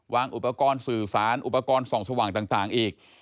อุปกรณ์สื่อสารอุปกรณ์ส่องสว่างต่างอีก